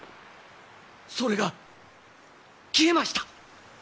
それが消えました。